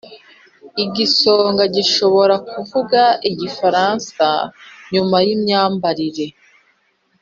igisonga gishobora kuvuga igifaransa nyuma yimyambarire.